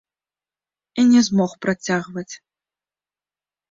І не змог працягваць.